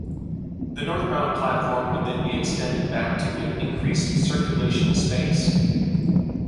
The northbound platform would then be extended back to give increased circulation space.